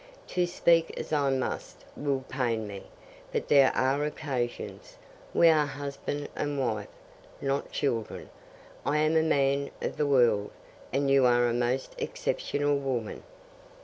To speak as I must will pain me, but there are occasions We are husband and wife, not children. I am a man of the world, and you are a most exceptional woman."